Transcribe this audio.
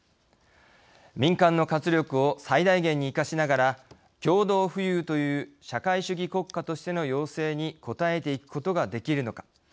民間の活力を最大限に生かしながら共同富裕という社会主義国家としての要請に応えていくことができるのか。